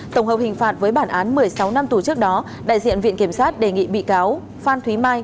tổng hợp hình phạt với bản án một mươi sáu năm tù trước đó đại diện viện kiểm sát đề nghị bị cáo phan thúy mai